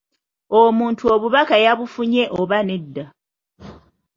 Omuntu obubaka yabufunye oba nedda?